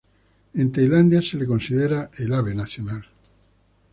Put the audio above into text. En Tailandia se le considera el ave nacional.